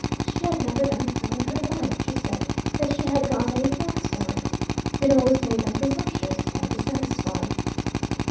She had never done so in her life, she said, that she had got any thanks for it. It always made them presumptuous and dissatisfied.